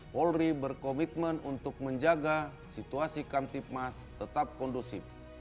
polri berkomitmen untuk menjaga situasi kamtipmas tetap kondusif